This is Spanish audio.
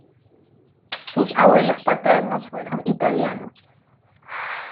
Sus abuelos paternos fueron italianos.